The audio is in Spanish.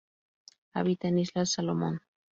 Habita en Islas Salomón.